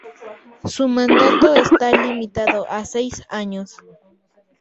Su mandato está limitado a seis años.